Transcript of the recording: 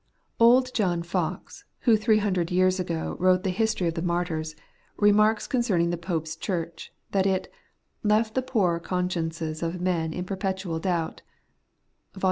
148 The Everlasting Righteousness, Old John Foxe, who three hundred years ago wrote the history of the martyrs, remarks concerning the Pope's Church, that it ' left the poor consciences of men in perpetual doubt* (vol.